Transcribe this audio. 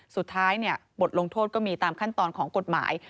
สุดท้ายบทลงโทษก็มีตามขั้นตอนของกฎหมาย